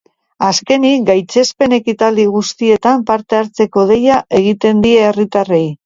Azkenik, gaitzespen ekitaldi guztietan parte hartzeko deia egiten die herritarrei.